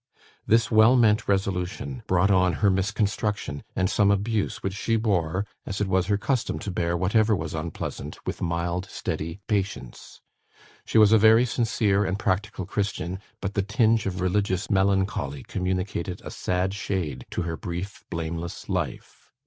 This well meant resolution brought on her misconstruction, and some abuse, which she bore, as it was her custom to bear whatever was unpleasant with mild steady patience. She was a very sincere and practical Christian, but the tinge of religious melancholy communicated a sad shade to her brief blameless life."